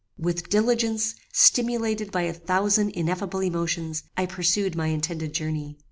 "With diligence, stimulated by a thousand ineffable emotions, I pursued my intended journey.